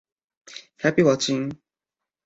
Happy watching.